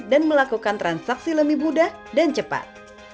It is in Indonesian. dan melakukan transaksi lebih mudah dan cepat